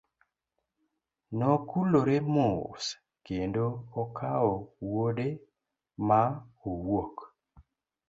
Nokulore mos kendo okawo wuode ma owuok.